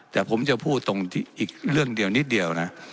แต่ผมจะพูดตรงอีกเรื่องเดียวนิดเดียวนะ